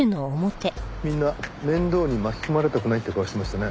みんな面倒に巻き込まれたくないって顔してましたね。